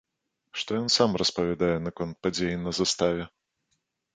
Што ён сам распавядае наконт падзей на заставе?